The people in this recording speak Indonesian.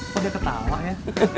sudah ketawa ya